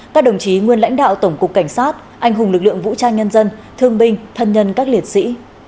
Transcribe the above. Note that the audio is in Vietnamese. các đồng chí nguyên lãnh đạo tổng cục cảnh sát anh hùng lực lượng vũ trang nhân dân thương binh thân nhân các liệt sĩ